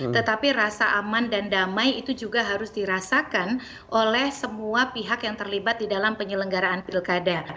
tetapi rasa aman dan damai itu juga harus dirasakan oleh semua pihak yang terlibat di dalam penyelenggaraan pilkada